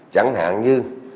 chẳng hạn như